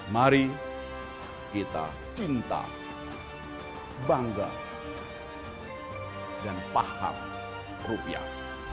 mari kita cinta bangga dan paham rupiah